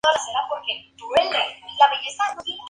Tiene su sede en Amsterdam.